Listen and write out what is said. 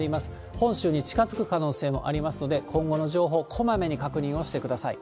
本州に近づく可能性もありますので、今後の情報、こまめに確認をしてください。